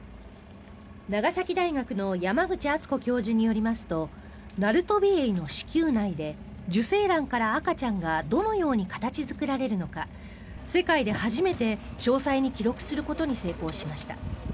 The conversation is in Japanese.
長崎大学の山口敦子教授によりますとナルトビエイの子宮内で受精卵から赤ちゃんがどのように形作られるのか世界で初めて詳細に記録することに成功しました。